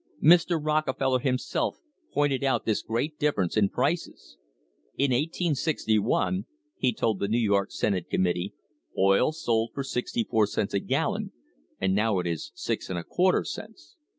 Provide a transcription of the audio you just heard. Mr. Rockefeller himself pointed out this great difference in prices. "In 1861," he told the New York Senate Committee, "oil sold for sixty four cents a gallon, and now it is six and a quarter cents."